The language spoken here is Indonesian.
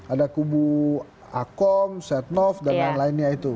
ada kubu akom setnov dan lain lainnya itu